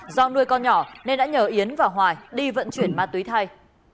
do nuôi con nhỏ nên đã nhờ yến và hoài đi vận chuyển ma túy thay